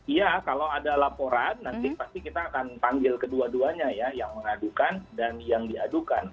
iya kalau ada laporan nanti pasti kita akan panggil kedua duanya ya yang mengadukan dan yang diadukan